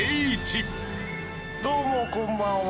どうもこんばんは。